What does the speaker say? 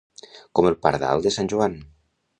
Com el pardal de Sant Joan.